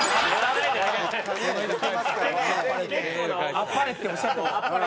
あっぱれっておっしゃってますから。